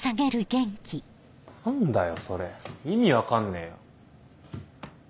何だよそれ意味分かんねえよ。